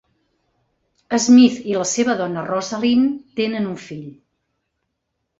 Smith i la seva dona Rosalynn tenen un fill.